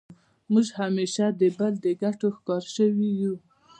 موږ همېشه د بل د ګټو ښکار سوي یو.